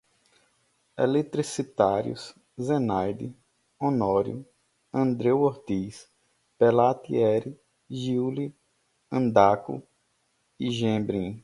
Eletricitários, Zenaide Honório, Andreu Ortiz, Pelatieri, Giuli, Andaku, Gebrim